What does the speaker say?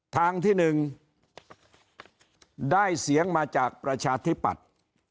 ทางที่๑ได้เสียงมาจากประชาธิปัตย์